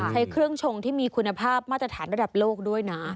ใช้เครื่องชงที่มีคุณภาพมาตรฐานระดับโลกด้วยนะ